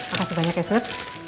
makasih banyak ya surt